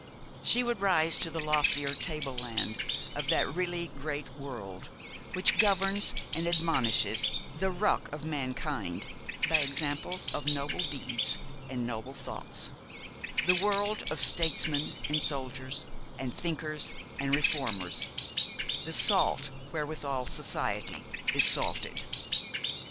She would rise to the loftier table land of that really great world which governs and admonishes the ruck of mankind by examples of noble deeds and noble thoughts; the world of statesmen, and soldiers, and thinkers, and reformers; the salt wherewithal society is salted.